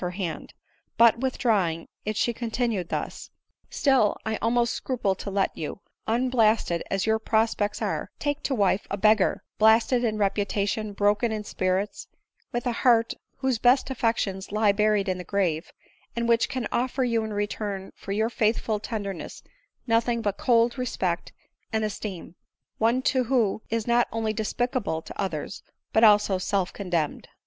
207 her hand; but, withdrawing, it she continued thus;— Still I almost scruple to let you, unblasted as your prospects are, take to wife a beggar, blasted in reputation, broken in spirits, with a heart whose best affections lie buried in the grave, and which can offer you in return for your faithful tenderness nothing but cold respect and esteem ; one too who is not only despicable to others, but also self condemned."